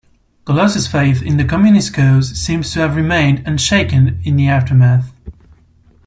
Golos' faith in the communist cause seems to have remained unshaken in the aftermath.